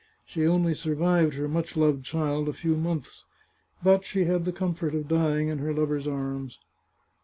She only survived her much loved child a few months. But she had the comfort of dying in her lover's arms.